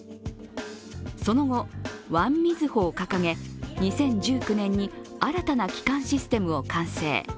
その後、ＯｎｅＭＩＺＵＨＯを掲げ２０１９年に新たな基幹システムを完成。